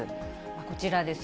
こちらです。